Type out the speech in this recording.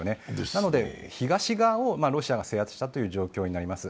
なので東側をロシアが制圧したという状況になります。